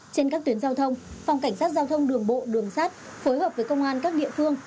trên các tuyến giao thông phòng cảnh sát giao thông đường bộ đường sát phối hợp với công an các địa phương